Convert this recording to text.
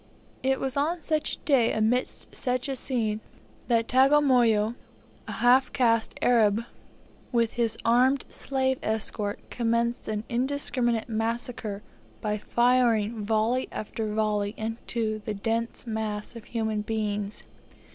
It was on such a day amidst such a scene, that Tagamoyo, a half caste Arab, with his armed slave escort, commenced an indiscriminate massacre by firing volley after volley into the dense mass of human beings.